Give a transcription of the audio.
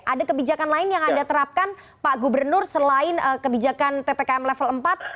ada kebijakan lain yang anda terapkan pak gubernur selain kebijakan ppkm level empat